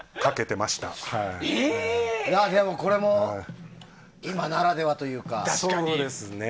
これも今ならではというか。